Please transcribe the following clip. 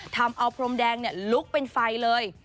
ทำเอาพรมแดงลุกเป็นไฟเลย